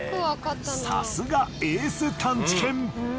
さすがエース探知犬。